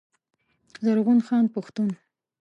زرغون خان پښتون